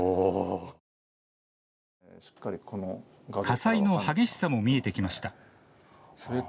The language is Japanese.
火災の激しさも見えてきました。